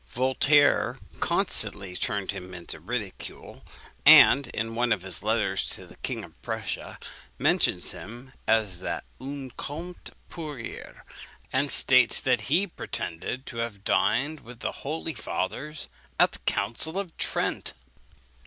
Voltaire constantly turned him into ridicule; and, in one of his letters to the King of Prussia, mentions him as "un comte pour rire;" and states that he pretended to have dined with the holy fathers at the Council of Trent!